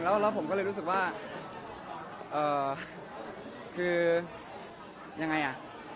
แล้วผมก็เลยรู้สึกว่าคือยังไงอ่ะ